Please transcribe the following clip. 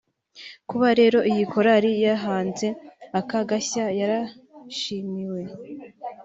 kuba rero iyi korali yahanze aka gashya yarashimiwe